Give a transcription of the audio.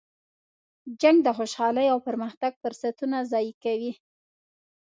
جنګ د خوشحالۍ او پرمختګ فرصتونه ضایع کوي.